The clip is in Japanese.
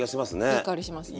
いい香りしますね。